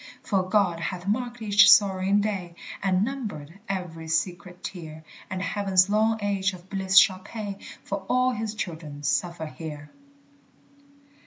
For God hath marked each sorrowing day And numbered every secret tear, And heaven's long age of bliss shall pay For all his children suffer here.